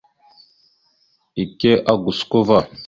Ike a gosko ava.